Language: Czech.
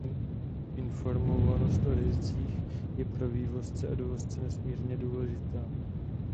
Informovanost o rizicích je pro vývozce a dovozce nesmírně důležitá.